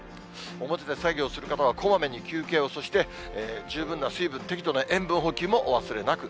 表で作業する方は、こまめに休憩を、そして十分な水分、適度な塩分補給もお忘れなく。